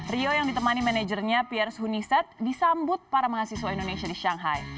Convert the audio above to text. rio yang ditemani manajernya prs huniset disambut para mahasiswa indonesia di shanghai